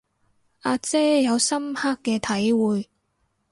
阿姐有深刻嘅體會